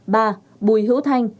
ba bùi hữu thanh